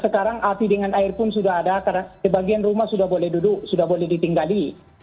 sekarang api dengan air pun sudah ada karena sebagian rumah sudah boleh duduk sudah boleh ditinggali